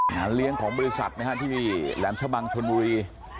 งานเลี้ยงของบริษัทนะฮะที่แหลมชะบังชนบุรี